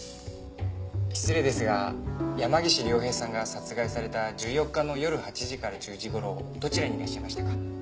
失礼ですが山岸凌平さんが殺害された１４日の夜８時から１０時頃どちらにいらっしゃいましたか？